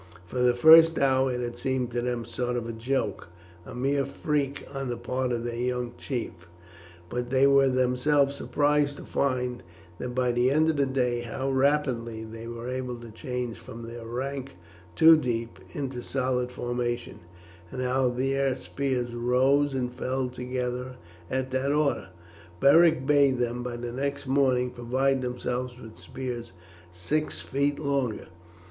For the first hour it had seemed to them a sort of joke a mere freak on the part of their young chief; but they were themselves surprised to find by the end of the day how rapidly they were able to change from their rank two deep into the solid formation, and how their spears rose and fell together at the order. Beric bade them by the next morning provide themselves with spears six feet longer.